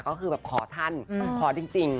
ก็คือแบบขอท่านขอจริง